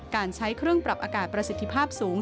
การใช้เครื่องปรับอากาศประสิทธิภาพสูง